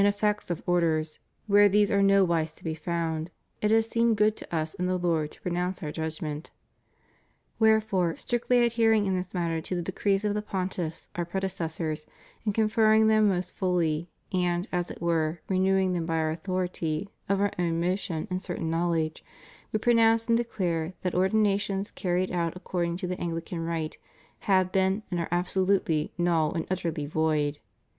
405 effects of Orders, where these are nowise to be found, it has seemed good to Us in the Lord to pronounce Our judgment. Wherefore, strictly adhering in this matter to the de crees of the Pontiffs Our predecessors, and confinning them most fully, and, as it were, renewing them by Our authority, of Our own motion and certain knowledge We pronounce and declare that Ordinations carried out according to the Anglican rite have been and are abso lutely null and utterly void.